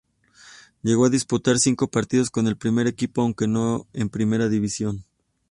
Llegó a disputar cinco partidos con el primer equipo, aunque no en Primera División.